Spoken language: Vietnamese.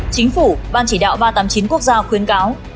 chính phủ ban chỉ đạo ba trăm tám mươi chín quốc gia khuyến cáo